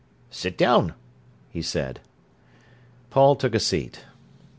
"Sit down," he said. Paul took a seat.